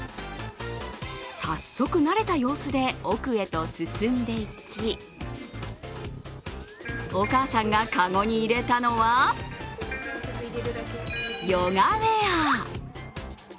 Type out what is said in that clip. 早速慣れた様子で奥へと進んでいき、お母さんが籠に入れたのはヨガウエア。